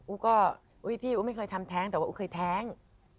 ุ๊กก็อุ๊ยพี่อู๋ไม่เคยทำแท้งแต่ว่าอู๋เคยแท้ง